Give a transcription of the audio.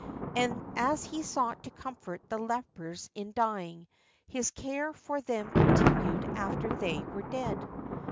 And as he sought to comfort the lepers in dying, his care for them continued after they were dead.